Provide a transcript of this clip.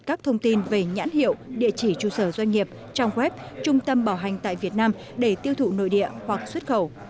các thông tin về nhãn hiệu địa chỉ trụ sở doanh nghiệp trang web trung tâm bảo hành tại việt nam để tiêu thụ nội địa hoặc xuất khẩu